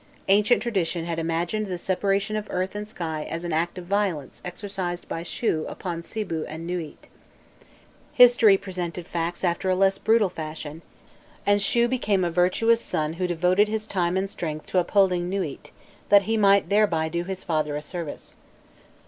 Ancient tradition had imagined the separation of earth and sky as an act of violence exercised by Shu upon Sibû and Nûît. History presented facts after a less brutal fashion, and Shû became a virtuous son who devoted his time and strength to upholding Nûît, that he might thereby do his father a service.